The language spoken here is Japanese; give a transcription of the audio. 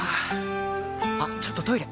あっちょっとトイレ！